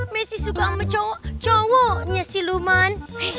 messi suka sama cowok cowoknya si luman